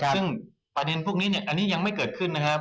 ซึ่งประเด็นพวกนี้อันนี้ยังไม่เกิดขึ้นนะครับ